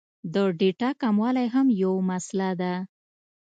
د ډېټا کموالی هم یو مسئله ده